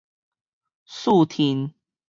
四媵